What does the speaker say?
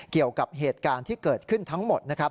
เกี่ยวกับเหตุการณ์ที่เกิดขึ้นทั้งหมดนะครับ